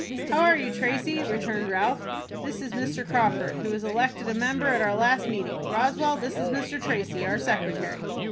"How are you, Tracy?" returned Ralph. "This is Mr. Crawford, who was elected a member at our last meeting. Roswell, this is Mr. Tracy, our secretary."